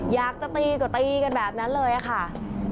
อยากจะตีก็ตีกันแบบนั้นเลยค่ะ